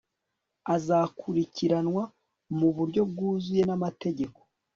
azakurikiranwa mu buryo bwuzuye n'amategeko